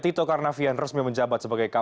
tito karnavian resmi menjabat sebagai